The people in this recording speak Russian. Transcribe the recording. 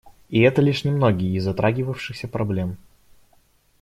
И это лишь немногие из затрагивавшихся проблем.